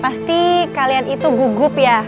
pasti kalian itu gugup ya